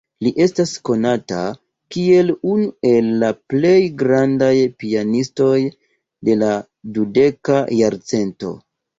Li estas konata kiel unu el la plej grandaj pianistoj de la dudeka jarcento.